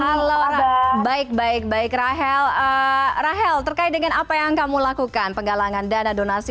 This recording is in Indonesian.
halo baik baik baik rahel terkait dengan apa yang kamu lakukan penggalangan dana donasi